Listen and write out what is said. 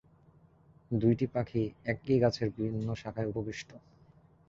দুইটি পাখী একই গাছের বিভিন্ন শাখায় উপবিষ্ট।